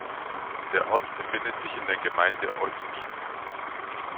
Der Ort befindet sich in der Gemeinde Osby.